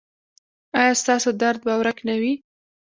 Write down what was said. ایا ستاسو درد به ورک نه وي؟